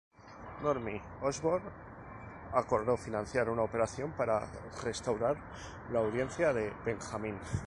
Normie Osborn acordó financiar una operación para restaurar la audiencia de Benjamin.